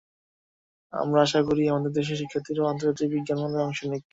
আমরা আশা করি, আমাদের দেশের শিক্ষার্থীরাও আন্তর্জাতিক বিজ্ঞান মেলায় অংশ নিক।